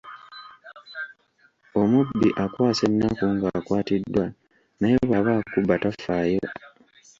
Omubbi akwasa ennaku ng'akwatiddwa naye bwaba akubba tafaayo.